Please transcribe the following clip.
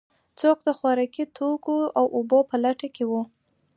څوک د خوراکي توکو او اوبو په لټه کې و.